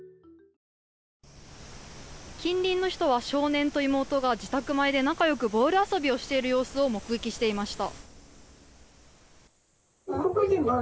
近隣の人は少年と妹が自宅前で仲良くボール遊びをしている様子を目撃していました。